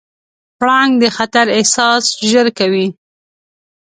پړانګ د خطر احساس ژر کوي.